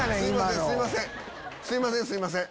すいませんすいません。